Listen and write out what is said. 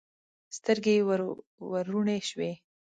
سترګې یې وروڼې شوې.